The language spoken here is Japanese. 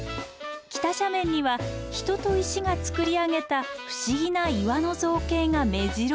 北斜面には人と石がつくり上げた不思議な岩の造形がめじろ押し。